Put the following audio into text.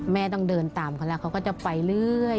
แม่ต้องเดินตามคนละเขาก็จะไปเรื่อย